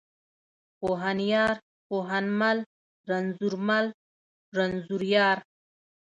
پوهنيار، پوهنمل، رنځورمل، رنځوریار.